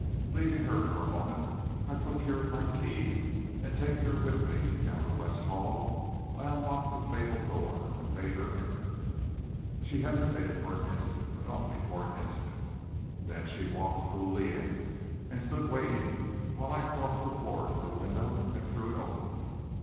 Leaving her for a moment, I procured my key, and taking her with me down the west hall, I unlocked the fatal door and bade her enter. She hesitated for an instant, but only for an instant. Then she walked coolly in, and stood waiting while I crossed the floor to the window and threw it open.